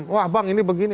wah bang ini begini